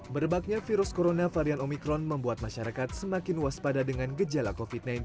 merebaknya virus corona varian omikron membuat masyarakat semakin waspada dengan gejala covid sembilan belas